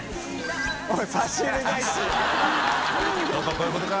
こういうことか！